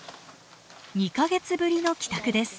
２カ月ぶりの帰宅です。